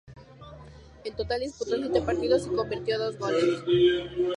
En total disputó siete partidos y convirtió dos goles.